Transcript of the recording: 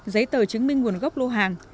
giấy tờ chứng minh nguồn gốc lô hàng